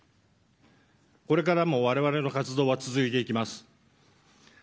これからも我々の活動は続いていきます。